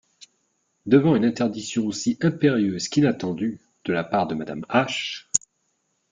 Devant une interdiction aussi impérieuse qu'inattendue, de la part de Madame H.